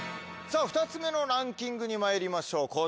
さぁ２つ目のランキングにまいりましょう。